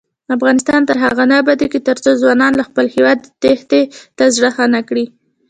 افغانستان تر هغو نه ابادیږي، ترڅو ځوانان له هیواده تېښتې ته زړه ښه نکړي.